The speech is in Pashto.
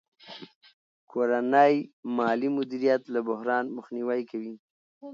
کورنی مالي مدیریت له بحران مخنیوی کوي.